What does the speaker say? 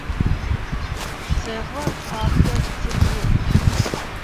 Цэгла, кахля, цыгель.